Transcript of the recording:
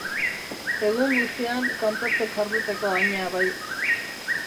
Egun guzian kantatzen jarduteko aña bai.